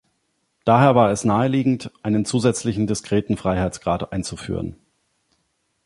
Daher war es naheliegend, einen zusätzlichen diskreten Freiheitsgrad einzuführen.